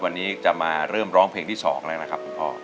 วันนี้จะมาเริ่มร้องเพลงที่๒แล้วนะครับคุณพ่อ